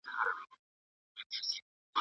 هلته به د پروسس لویې فابریکې وي.